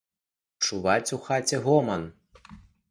Чуваць у хаце гоман.